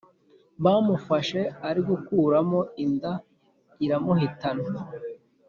Bamufashe arigukuramo inda iramuhitana